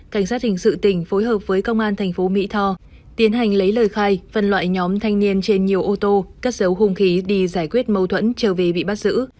cảnh sát hình sự tỉnh phối hợp với công an thành phố mỹ tho tiến hành lấy lời khai phân loại nhóm thanh niên trên nhiều ô tô cất dấu hung khí đi giải quyết mâu thuẫn trở về bị bắt giữ